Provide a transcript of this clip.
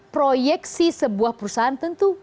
proyeksi sebuah perusahaan tentu